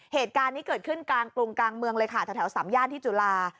เหตุการณ์นี้เกิดขึ้นกลางกรุงกลางเมืองเลยค่ะแถวสามย่านที่จุฬา